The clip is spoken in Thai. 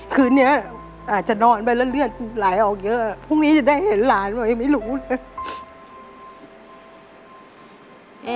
คืนนี้อาจจะนอนไปแล้วเลือดไหลออกเยอะพรุ่งนี้จะได้เห็นหลานไว้ไม่รู้เลย